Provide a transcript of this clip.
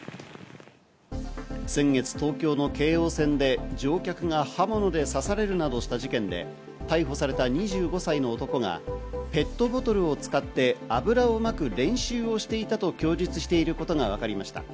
先月、東京の京王線で乗客が刃物で刺されるなどした事件で、逮捕された２５歳の男がペットボトルを使って油をまく練習をしていたと供述していることがわかりました。